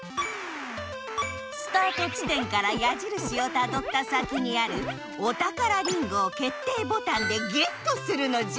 スタート地点からやじるしをたどった先にあるお宝りんごを決定ボタンでゲットするのじゃ！